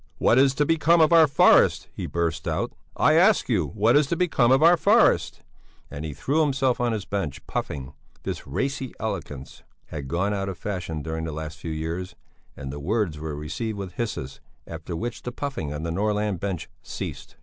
"What is to become of our forests?" he burst out. "I ask you, what is to become of our forests?" And he threw himself on his bench, puffing. This racy eloquence had gone out of fashion during the last few years, and the words were received with hisses, after which the puffing on the Norrland bench ceased.